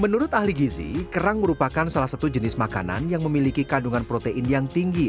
menurut ahli gizi kerang merupakan salah satu jenis makanan yang memiliki kandungan protein yang tinggi